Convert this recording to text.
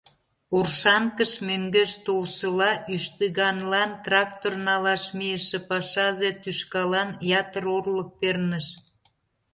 Оршанкыш мӧҥгеш толшыла ӱштыганлан, трактор налаш мийыше пашазе тӱшкалан ятыр орлык перныш.